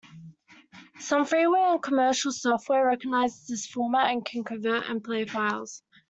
Some freeware and commercial software recognises this format, and can convert and play files.